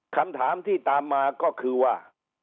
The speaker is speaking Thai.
คำถามที่ตามมาก็คือว่า